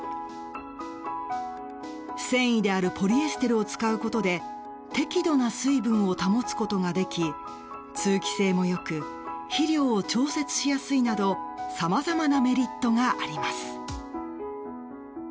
繊維であるポリエステルを使うことで適度な水分を保つことができ通気性も良く肥料を調節しやすいなどさまざまなメリットがあります。